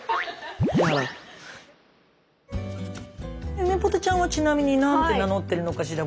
ゆめぽてちゃんはちなみに何て名乗ってるのかしら？